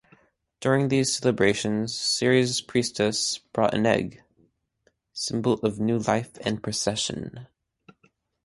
During these celebrations Ceres' priestess brought an egg, symbol of new life in procession.